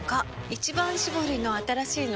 「一番搾り」の新しいの？